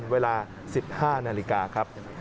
เวลา๑๕นาฬิกาครับ